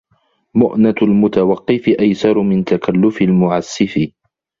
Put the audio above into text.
مُؤْنَةُ الْمُتَوَقِّفِ أَيْسَرُ مِنْ تَكَلُّفِ الْمُعَسَّفِ